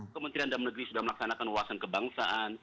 kementerian dalam negeri sudah melaksanakan wawasan kebangsaan